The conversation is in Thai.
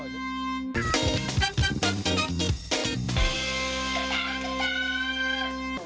โปรดติดตามตอนต่อไป